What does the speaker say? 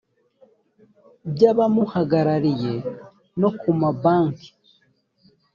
by abamuhagarariye no ku mabanki